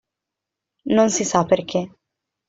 Non si sa perché.